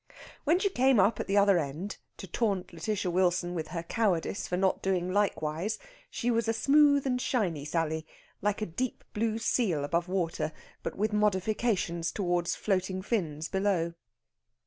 When she came up at the other end, to taunt Lætitia Wilson with her cowardice for not doing likewise, she was a smooth and shiny Sally, like a deep blue seal above water, but with modifications towards floating fins below.